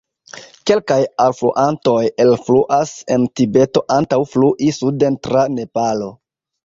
Kelkaj alfluantoj elfluas en Tibeto antaŭ flui suden tra Nepalo.